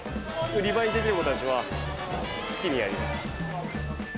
売り場に出てる子たちは、好きにやります。